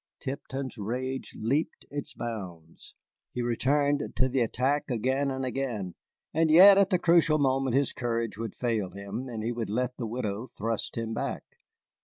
Tipton's rage leaped its bounds. He returned to the attack again and again, and yet at the crucial moment his courage would fail him and he would let the widow thrust him back.